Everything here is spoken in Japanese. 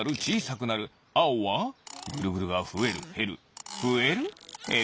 あおはぐるぐるがふえるへるふえるへる。